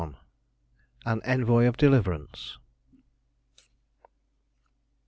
AN ENVOY OF DELIVERANCE.